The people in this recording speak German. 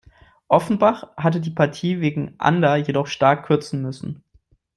Offenbach hatte die Partie wegen Ander jedoch stark kürzen müssen.